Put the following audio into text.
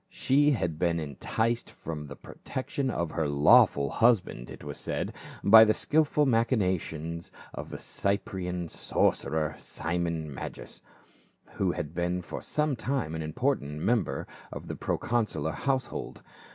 She had been enticed from the protection of her lawful husband, it was said, by the skillful machinations of the Cyprian sorcerer, Simon Magus,* who had been for some time an important member of the proconsular household.